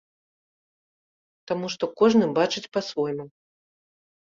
Таму што кожны бачыць па-свойму.